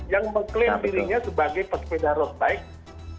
yang mengklaim dirinya sebagai pesepeda road bike